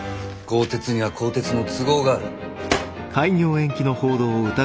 高鐵には高鐵の都合がある。